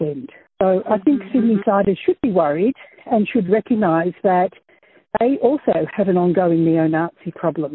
jadi saya pikir insiden sydney harus khawatir dan harus mengakui bahwa mereka juga memiliki masalah neonazi yang berlangsung